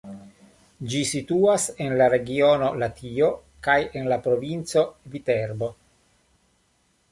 Ĝi situas en la regiono Latio kaj en la provinco Viterbo.